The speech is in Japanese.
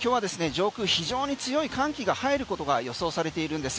上空非常に強い寒気が入ることが予想されているんです。